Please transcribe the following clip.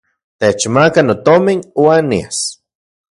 Techmaka notomin uan nias.